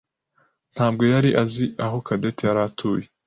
ntabwo yari azi aho Cadette yari atuye.